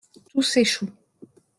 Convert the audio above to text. Tous échouent.